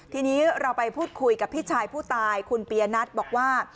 ทีนี้เราไปพูดคุยกับพี่ชายผู้ตายคุณปียนัทบอกว่า